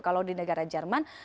kalau di negara jerman